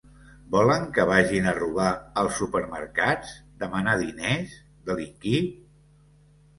Volen que vagin a robar als supermercats, demanar diners, delinquir?